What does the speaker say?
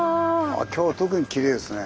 ああ今日は特にきれいですね。